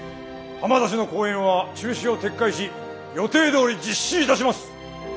浜田氏の講演は中止を撤回し予定どおり実施いたします。